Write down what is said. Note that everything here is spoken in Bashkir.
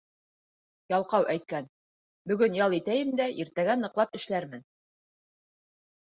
Ялҡау әйткән: «Бөгөн ял итәйем дә, иртәгә ныҡлап эшләрмен»